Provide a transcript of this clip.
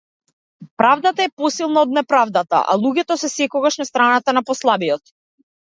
Правдата е посилна од неправдата, а луѓето се секогаш на страната на послабиот.